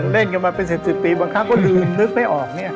เล่นกันมาเป็น๑๐ปีบางครั้งก็ลืมนึกไม่ออกเนี่ย